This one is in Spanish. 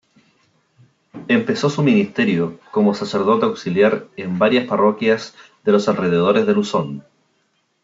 Empezó su ministerio como sacerdote auxiliar en varias parroquias de los alrededores de Luzón.